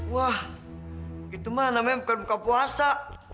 wah itu mah namanya bukan buka puasa